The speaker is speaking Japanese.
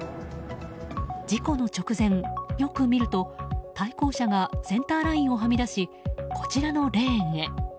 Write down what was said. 事故の直前、よく見ると対向車がセンターラインをはみ出しこちらのレーンへ。